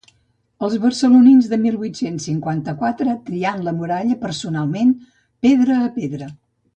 Els barcelonins de mil vuit-cents cinquanta-quatre triant la muralla personalment, pedra a pedra.